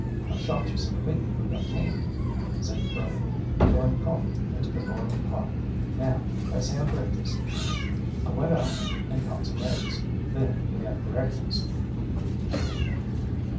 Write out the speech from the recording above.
"I shot you some meat fo' yo' camp," said Curly, throwing coffee into the boiling pot. "Now let's have breakfast." I went out and caught some eggs, then we had breakfast.